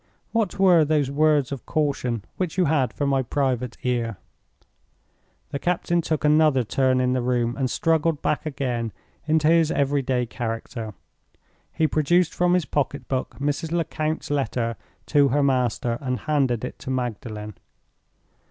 What were those words of caution which you had for my private ear?" The captain took another turn in the room, and struggled back again into his every day character. He produced from his pocketbook Mrs. Lecount's letter to her master, and handed it to Magdalen.